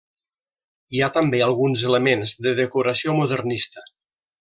Hi ha també alguns elements de decoració modernista.